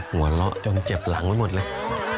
หัวเราะจนเจ็บหลังไปหมดเลย